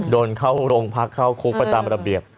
โดนเข้าโรงพักเข้าคุกไปตามระเบียบ